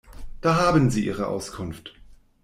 Da haben Sie Ihre Auskunft.